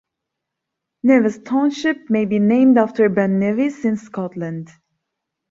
Nevis Township may be named after Ben Nevis, in Scotland.